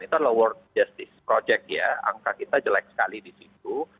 itu adalah world justice project ya angka kita jelek sekali di situ